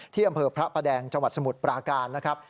อำเภอพระประแดงจังหวัดสมุทรปราการนะครับ